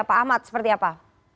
pak ahmad seperti apa